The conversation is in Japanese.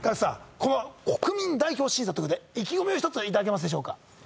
この国民代表審査ということで意気込みを一ついただけますでしょうか？